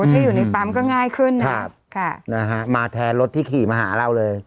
ที่อยู่ในปั๊มก็ง่ายขึ้นนะครับค่ะนะฮะมาแทนรถที่ขี่มาหาเราเลย